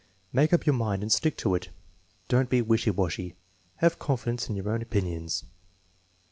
"Make up your mind and stick to it." "Don't be wishy washy." "Have confidence in your own opinions."